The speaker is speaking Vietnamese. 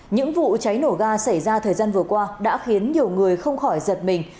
những vụ cháy nổ ga xảy ra thời gian vừa qua đã khiến nhiều người không khỏi giật mình